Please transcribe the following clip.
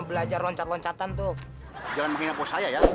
belajar loncat loncatan tuh jangan memain apa saya ya